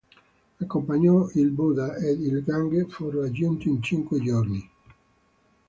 Accompagnò il Buddha, ed il Gange fu raggiunto in cinque giorni.